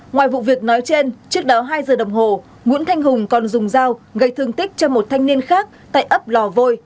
ngoài vụ việc nói trên trước đó hai giờ đồng hồ nguyễn thanh hùng còn dùng dao gây thương tích cho một thanh niên khác tại ấp lò vôi